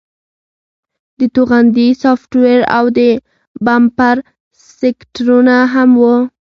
د توغندي سافټویر او د بمپر سټیکرونه هم وو